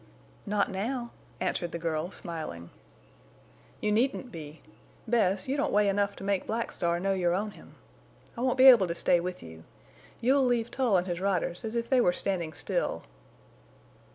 "Not now," answered the girl, smiling. "You needn't be. Bess, you don't weigh enough to make Black Star know you're on him. I won't be able to stay with you. You'll leave Tull and his riders as if they were standing still."